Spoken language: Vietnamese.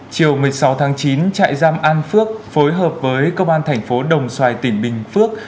chiều một mươi sáu tháng chín trại giam an phước phối hợp với công an thành phố đồng xoài tỉnh bình phước